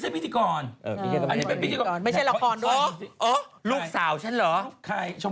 พี่ปุ้ยลูกโตแล้ว